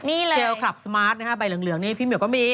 นี่เลยเชลคลับสมาร์ทนะฮะใบเหลืองนี่พี่เหมียวก็มี